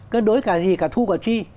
cân đối cả gì cả thu và chi